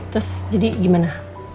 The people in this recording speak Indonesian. terus jadi gimana